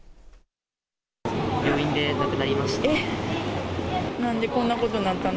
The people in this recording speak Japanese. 病院で亡くなりました。